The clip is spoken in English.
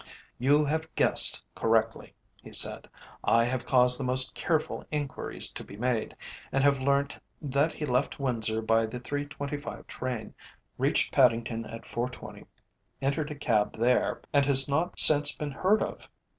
"You have guessed correctly," he said. "I have caused the most careful enquiries to be made, and have learnt that he left Windsor by the 3.25 train, reached Paddington at 4.2, entered a cab there, and has not since been heard of.